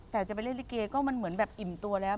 แต่จะไปเล่นลิเกก็มันเหมือนแบบอิ่มตัวแล้ว